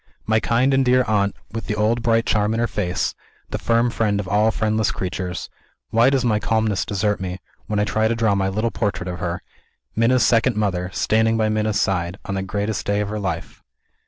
My kind and dear aunt with the old bright charm in her face; the firm friend of all friendless creatures why does my calmness desert me, when I try to draw my little portrait of her; Minna's second mother, standing by Minna's side, on the greatest day of her life?